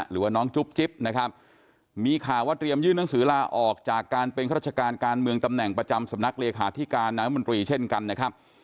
หรือว่าน้องจุ๊บจิ๊บนะครับมีข่าวว่าเตรียมยื่นหนังสือลาออกจากการเป็นข้าราชการการเมืองตำแหน่งประจำสำนักเลขาธิการน้ำมนตรีเช่นกันนะครับ